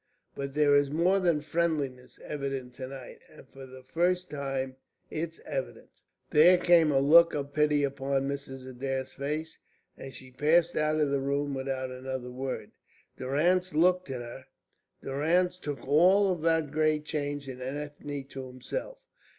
But there is more than friendliness evident to night, and for the first time it's evident." There came a look of pity upon Mrs. Adair's face, and she passed out of the room without another word. Durrance took all of that great change in Ethne to himself.